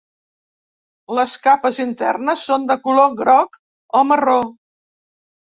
Les capes internes són de color groc o marró.